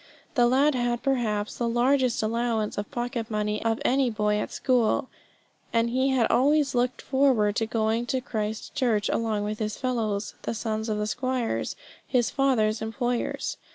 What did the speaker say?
The lad had, perhaps, the largest allowance of pocket money of any boy at school; and he had always looked forward to going to Christ Church along with his fellows, the sons of the squires, his father's employers.